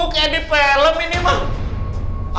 kayak di film ini bang